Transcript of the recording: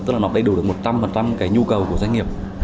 tức là nó đầy đủ được một trăm linh cái nhu cầu của doanh nghiệp